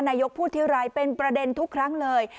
นายกพูดทีไรเป็นประเด็นทุกครั้งเลย